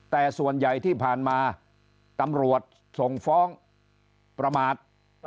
แต่ส่วนใหญ่ที่ผ่านมาตำรวจส่งฟ้องประมาท